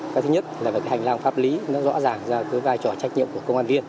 cái thứ nhất là về cái hành lang pháp lý nó rõ ràng ra cái vai trò trách nhiệm của công an viên